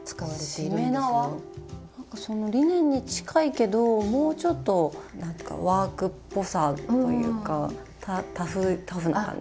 なんかそのリネンに近いけどもうちょっとなんかワークっぽさというかタフな感じ。